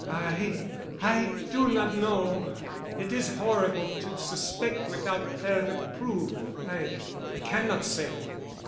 "I—I do not know. It is horrible to suspect without further proof. I—I cannot say."